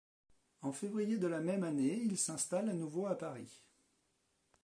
En février de la même année, il s'installe à nouveau à Paris.